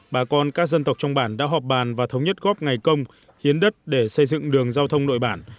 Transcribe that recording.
bà con các dân tộc trong bản đã họp bàn và thống nhất góp ngày công hiến đất để xây dựng đường giao thông nội bản